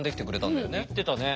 行ってたね。